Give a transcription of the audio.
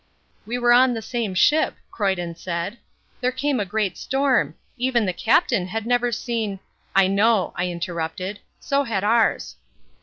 "We were on the same ship," Croyden said. "There came a great storm. Even the Captain had never seen " "I know," I interrupted, "so had ours."